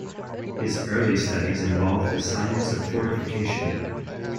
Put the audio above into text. His early studies involved the science of fortification.